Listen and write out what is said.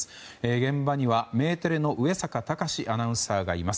現場にはメテレの上坂嵩アナウンサーがいます。